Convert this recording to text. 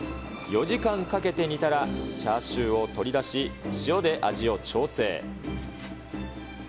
４時間かけて煮たら、チャーシューを取り出し、塩で味を調整。